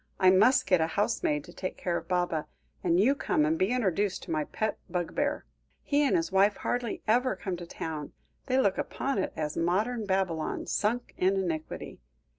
"I must get a housemaid to take care of Baba; and you come and be introduced to my pet bugbear. He and his wife hardly ever come to town. They look upon it as modern Babylon, sunk in iniquity.